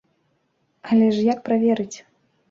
Але ж як праверыць?